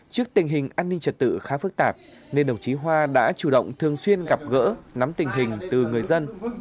trước tình hình an ninh trật tự khá phức tạp nên đồng chí hoa đã chủ động thường xuyên gặp gỡ nắm tình hình từ người dân